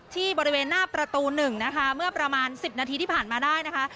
ที่บริเวณหน้าประตู๑นะคะเมื่อประมาณ๑๐นาทีที่ผ่านมาได้นะคะ